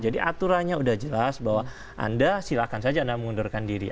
jadi aturannya sudah jelas bahwa anda silahkan saja anda mengundurkan diri